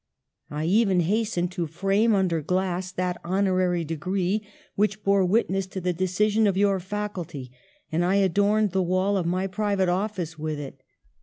'^I even hastened to frame under glass that hon orary degree which bore witness to the decision of your faculty, and I adorned the wall of my private oflBce with it.